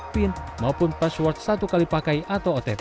pin maupun password satu kali pakai atau ott